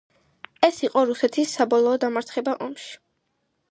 ეს იყო რუსეთის საბოლოო დამარცხება ომში.